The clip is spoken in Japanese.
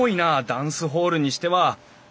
ダンスホールにしては。